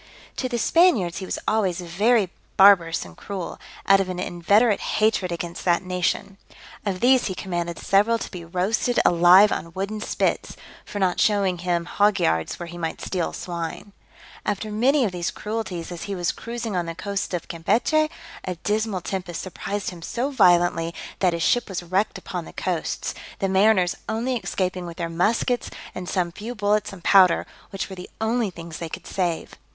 To the Spaniards he was always very barbarous and cruel, out of an inveterate hatred against that nation. Of these he commanded several to be roasted alive on wooden spits, for not showing him hog yards where he might steal swine. After many of these cruelties, as he was cruising on the coasts of Campechy, a dismal tempest surprised him so violently, that his ship was wrecked upon the coasts, the mariners only escaping with their muskets and some few bullets and powder, which were the only things they could save.